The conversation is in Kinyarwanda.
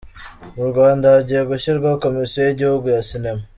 Mu Rwanda hagiye gushyirwaho Komisiyo y’igihugu ya Sinema